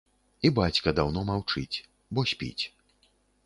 І бацька даўно маўчыць, бо спіць.